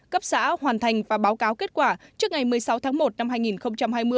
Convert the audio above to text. cấp xã hoàn thành và báo cáo kết quả trước ngày một mươi sáu tháng một năm hai nghìn hai mươi